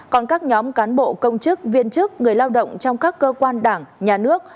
còn các nhóm cán bộ công chức viên chức người lao động trong các cơ quan đảng nhà nước